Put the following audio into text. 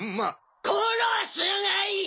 殺すがいい！